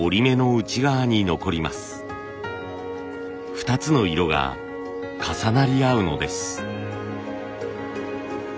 ２つの色が重なり合うのです。